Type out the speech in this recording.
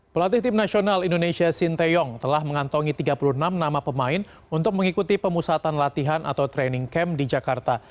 pelatih tim nasional indonesia sinteyong telah mengantongi tiga puluh enam nama pemain untuk mengikuti pemusatan latihan atau training camp di jakarta